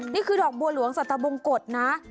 นี่คือดอกบัวหลวงสัตวบงกฎนะ